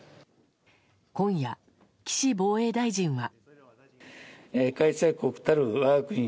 今夜、岸防衛大臣は。